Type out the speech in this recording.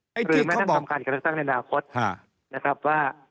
หรือไม่ได้ทำการกระดักตั้งในอนาคตนะครับว่า